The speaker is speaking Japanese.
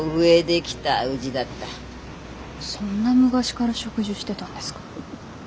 そんな昔から植樹してたんですか？